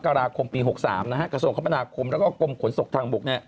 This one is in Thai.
กระทรวงคมนาคมแล้วก็กรมขนสกทางบุก